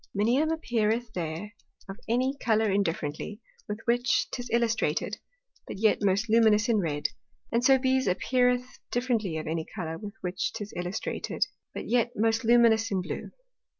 Minium appeareth there of any Colour indifferently, with which 'tis illustrated, but yet most luminous in red; and so Bise appeareth indifferently of any Colour with which 'tis illustrated, but yet most luminous in blue.